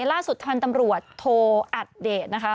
ล่าสุดพันธ์ตำรวจโทอัดเดชนะคะ